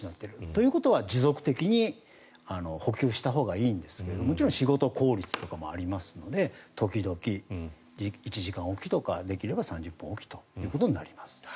ということは持続的に補給したほうがいいんですけどもちろん仕事効率とかもありますので時々、１時間おきとかできれば３０分おきということになります。